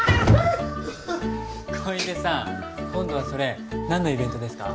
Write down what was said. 小出さん今度はそれ何のイベントですか？